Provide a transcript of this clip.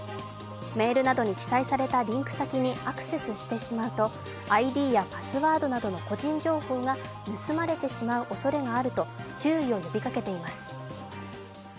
メールなどに記載されたリンク先にアクセスしてしまうとＩＤやパスワードなどの個人情報が盗まれてしまうおそれがあると注意を呼びかけています。